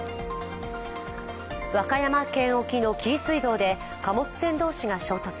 和歌山県沖の紀伊水道で貨物船同士が衝突。